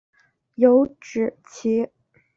有脂鳍。